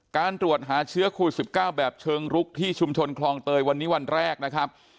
การตรวจหาเชื้อโควิด๑๙แบบเชิงรุกที่ชุมชนคลองเตยวันนี้วันแรกนะครับ